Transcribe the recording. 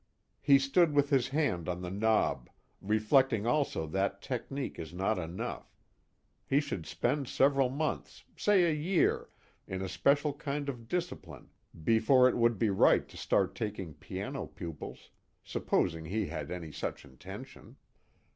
He stood with his hand on the knob, reflecting also that technique is not enough: he should spend several months, say a year, in a special kind of discipline, before it would be right to start taking piano pupils supposing he had any such intention.